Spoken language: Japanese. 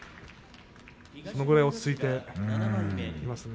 それぐらい落ち着いていますね。